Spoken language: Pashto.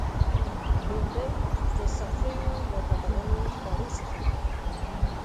بېنډۍ د سبزیو له ګټورو خوړو څخه ده